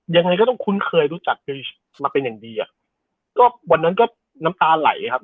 ยังไงก็ต้องคุ้นเคยรู้จักดริชมาเป็นอย่างดีอ่ะก็วันนั้นก็น้ำตาไหลครับ